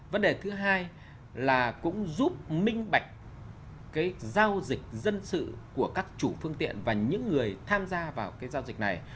vấn đề thứ hai là cũng giúp minh bạch cái giao dịch dân sự của các chủ phương tiện và những người tham gia vào cái giao dịch này